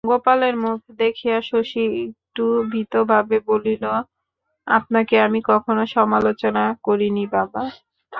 গোপালের মুখ দেখিয়া শশী একটু ভীতভাবে বলিল, আপনাকে আমি কখনো সমালোচনা করিনি বাবা।